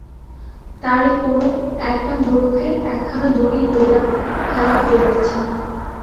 তারই কোনো একটা মোড়কের একখানা দড়ি লইয়া খেলা করিতেছিলাম।